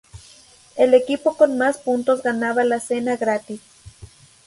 El equipo con más puntos ganaba la cena gratis.